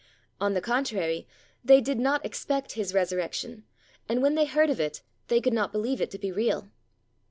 On the contrary, they did not expect His resurrection, and, when they heard of it, they could not believe it to be real.